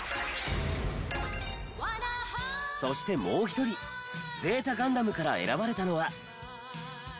そしてもう１人『Ｚガンダム』から選ばれたのは。